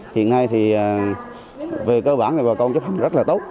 hiện nay thì về cơ bản bà con chấp hẳn rất là tốt